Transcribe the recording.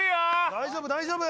大丈夫大丈夫！